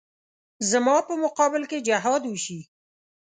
زما په مقابل کې جهاد وشي.